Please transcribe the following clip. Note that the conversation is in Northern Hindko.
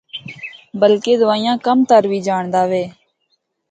بلکہ دوئیاں کم تر وی جانڑدا وے۔